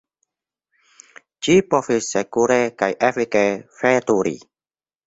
Ĝi povis sekure kaj efike veturi.